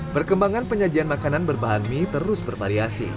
perkembangan penyajian makanan berbahan mie terus bervariasi